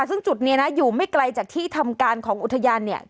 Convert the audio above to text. ซึ่งจุดนี้นะอยู่ไม่ไกลจากที่ทำการของอุทยานเนี่ย